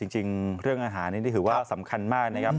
จริงเรื่องอาหารนี่ถือว่าสำคัญมากนะครับ